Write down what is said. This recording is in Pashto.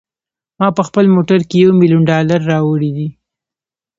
ما په خپل موټر کې یو میلیون ډالره راوړي دي.